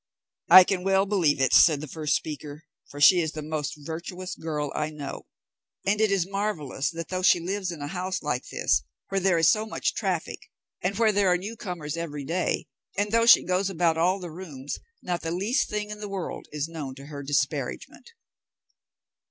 "I can well believe it," said the first speaker, "for she is the most virtuous girl I know; and it is marvellous that though she lives in a house like this, where there is so much traffic, and where there are new comers every day, and though she goes about all the rooms, not the least thing in the world is known to her disparagement."